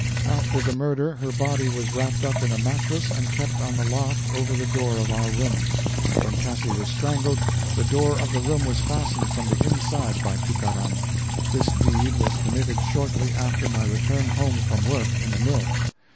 After the murder her body was wrapped up in a mattress and kept on the loft over the door of our room. When Cassi was strangled, the door of the room was fastened from the inside by Tookaram. This deed was committed shortly after my return home from work in the mill.